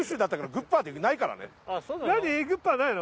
グッパーないの？